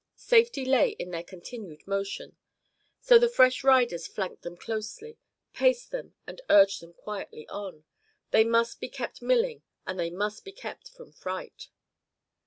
Safety lay in their continued motion. So the fresh riders flanked them closely, paced them, and urged them quietly on. They must be kept milling and they must be kept from fright.